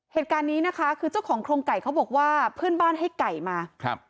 เหตุการณ์นี้นะคะคือเจ้าของโครงไก่เขาบอกว่าเพื่อนบ้านให้ไก่มาครับ